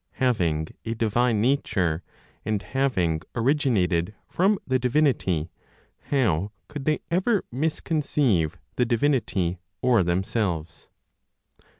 Having a divine nature, and having originated from the divinity, how could they ever misconceive the divinity or themselves?